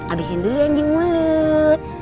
abisin dulu yang di mulut